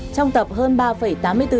trong tập hơn ba tám mươi bốn triệu